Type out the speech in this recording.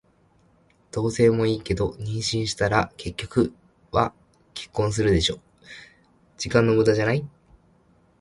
同棲もいいけど、妊娠したら結局は結婚するでしょ。時間の無駄じゃない？